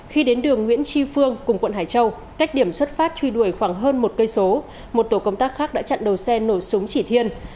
khi đến đường nguyễn tri phương cùng quận hải châu cách điểm xuất phát truy đuổi khoảng hơn một cây số một tổ công tác khác đã chặn đầu xe nổ súng chỉ thiên